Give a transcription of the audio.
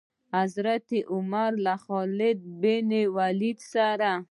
حضرت عمر له خالد بن ولید سره.